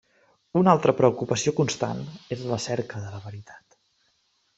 Una altra preocupació constant és la cerca de la veritat.